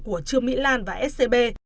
của trường mỹ lan và scb